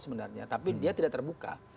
sebenarnya tapi dia tidak terbuka